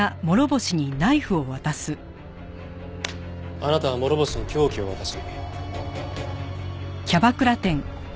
あなたは諸星に凶器を渡し。